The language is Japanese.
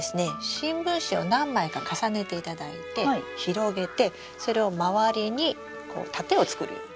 新聞紙を何枚か重ねていただいて広げてそれを周りにこう盾を作るように。